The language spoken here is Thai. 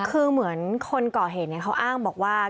คือเหมือนคนก่อเหตุเขาอ้างบอกว่า